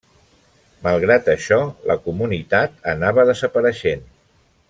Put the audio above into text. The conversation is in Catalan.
Malgrat això la comunitat anava desapareixent.